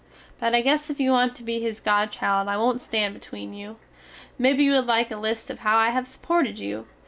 But I guess if you want to be his godchild I wont stand between you. Mebbe you wood like a list of how I have suported you?